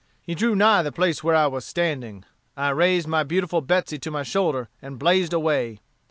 He drew nigh the place where I was standing. I raised my beautiful Betsey to my shoulder and blazed away.